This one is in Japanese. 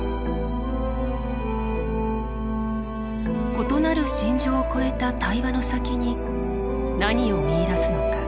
異なる信条を超えた対話の先に何を見いだすのか。